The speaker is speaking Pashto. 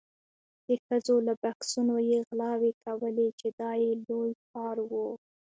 د ښځو له بکسونو یې غلاوې کولې چې دا یې لوی کار و.